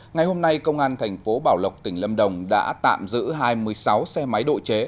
ngày hôm nay công an thành phố bảo lộc tỉnh lâm đồng đã tạm giữ hai mươi sáu xe máy độ chế